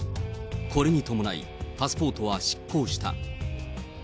これに伴い、パスポートは失効した。